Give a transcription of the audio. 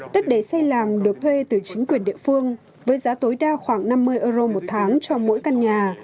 đất để xây làng được thuê từ chính quyền địa phương với giá tối đa khoảng năm mươi euro một tháng cho mỗi căn nhà